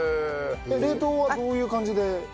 冷凍はどういう感じで？